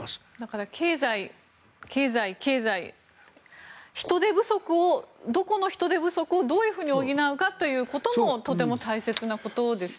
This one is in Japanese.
だから経済、経済、経済どこの人手不足をどう補うかということもとても大切なことですね。